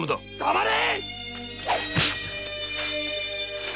黙れ！